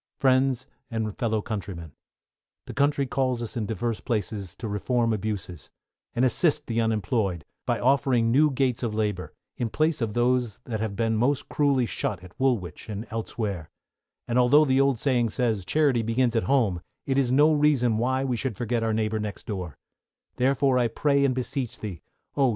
Friends and Fellow Countrymen, The country calls us in divers places to reform abuses, and assist the unemployed, by offering new gates of labor, in place of those that have been most cruelly shut at Woolwich and elsewhere, and although the old saying says "Charity begins at home," it is no reason why we should forget our neighbour next door; therefore I pray and beseech thee, oh!